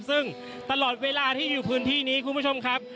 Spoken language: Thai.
ซึ่งตลอดเวลาที่อยู่พื้นที่นี้คุณผู้ชมครับ